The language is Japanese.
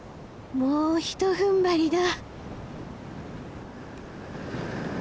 もうひとふんばりだ。